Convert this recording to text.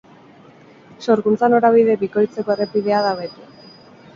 Sorkuntza norabide bikoitzeko errepidea da beti.